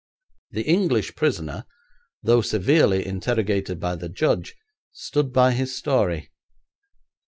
The English prisoner, though severely interrogated by the judge, stood by his story.